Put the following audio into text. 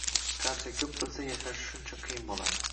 Qancha ko’p bilsa, yashashi shuncha qiyin bo’ladi.